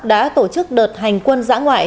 đã tổ chức đợt hành quân dã ngoại